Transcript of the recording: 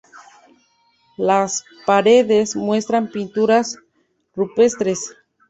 Las paredes muestran pinturas rupestres.